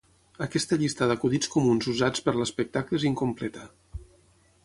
Aquesta llista d"acudits comuns usats per l"espectable és incompleta.